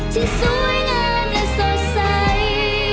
ที่สวยงามและสดใส